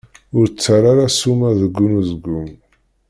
Ur ttarra ara ssuma deg unezgum!